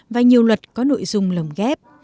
và nhiều luật có nội dung lồng ghép